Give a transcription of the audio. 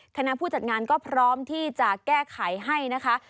คณะผู้จัดงานก็พร้อมที่จะแก้ไขให้นะคะ